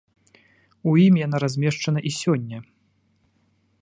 У ім яна размешчана і сёння.